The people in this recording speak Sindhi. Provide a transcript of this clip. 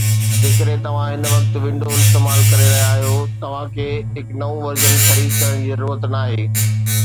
جيڪڏهن توهان هن وقت ونڊوز استعمال ڪري رهيا آهيو، توهان کي هي نئون ورزن خريد ڪرڻ جي ضرورت ناهي